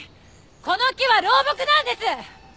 この木は老木なんです！